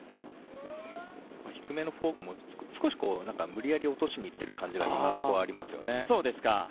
低めのフォークも無理やり落としにいっている感じが今のところ、ありますね。